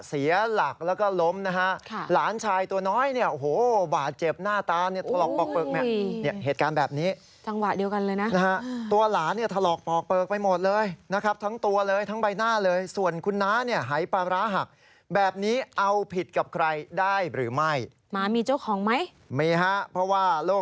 เสียหลักแล้วก็ล้มนะฮะ